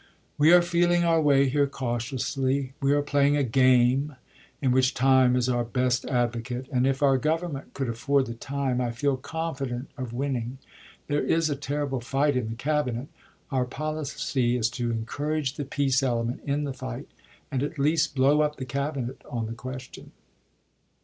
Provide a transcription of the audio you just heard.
We are feeling our way here cautiously. We are play ing a game in which time is our best advocate, and if our Government could afford the time I feel confident of winning. There is a terrific fight in the Cabinet. Our policy is to encourage the peace element in the fight, and at least blow up the Cabinet on the question.